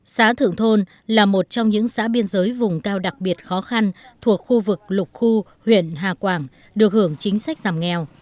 xã thượng thôn là một trong những xã biên giới vùng cao đặc biệt khó khăn thuộc khu vực lục khu huyện hà quảng được hưởng chính sách giảm nghèo